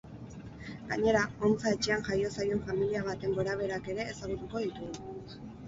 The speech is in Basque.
Gainera, hontza etxean jaio zaion familia baten gorabeherak ere ezagutuko ditugu.